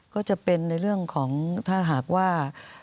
ก็จะเป็นในเรื่องของถ้าหากว่า